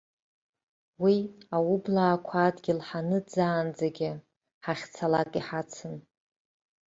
Уи, аублаақәа адгьыл ҳаныӡаанӡагьы, ҳахьцалак иҳацын.